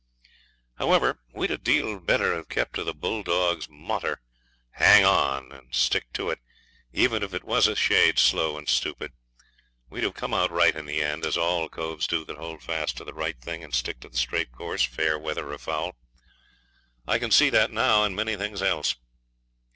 However, we'd a deal better have kept to the bulldog's motter, 'Hang on', and stick to it, even if it was a shade slow and stupid. We'd have come out right in the end, as all coves do that hold fast to the right thing and stick to the straight course, fair weather or foul. I can see that now, and many things else.